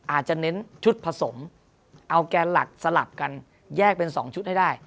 อาจจะเน้นชุดผสมเอาแกนหลักสลับกันแยกเป็น๒ชุดให้ได้